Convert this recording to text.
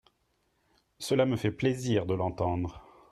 Cela me fait plaisir de l’entendre